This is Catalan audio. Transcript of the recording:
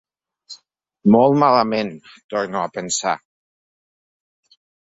“Molt malament!”, torno a pensar.